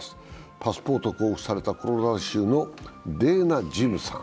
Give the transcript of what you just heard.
パスポートを交付されたコロラド州のデーナ・ジムさん。